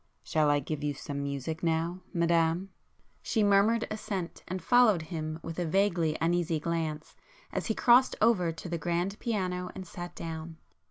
"Shall I give you some music now, Madame?" She murmured assent, and followed him with a vaguely uneasy glance as he crossed over to the grand piano and sat down.